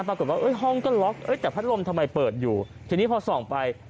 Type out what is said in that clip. ปรากฏว่าห้องก็ล็อกแต่พัดลมทำไมเปิดอยู่ทีนี้พอส่องไป